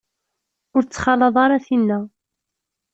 Ur ttxalaḍ ara tinna.